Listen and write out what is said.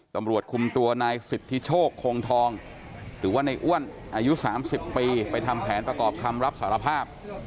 ตำรวจคุมตัวนายสิทธิโชคคงทองหรือว่าในอ้วนอายุ๓๐ปีไปทำแผนประกอบคำรับสารภาพ